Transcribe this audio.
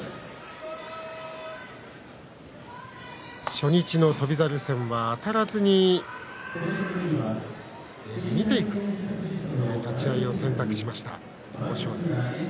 初日の翔猿戦はあたらずに見ていく立ち合いを選択しました豊昇龍です。